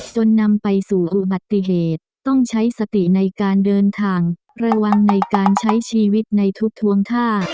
นำไปสู่อุบัติเหตุต้องใช้สติในการเดินทางระวังในการใช้ชีวิตในทุกทวงท่า